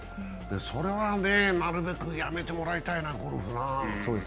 それはなるべくやめてもらいたいなあ、ゴルフ。